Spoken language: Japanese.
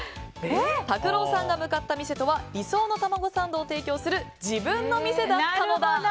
タクロウさんが向かった店とは理想のタマゴサンドを提供する自分の店だったのだ。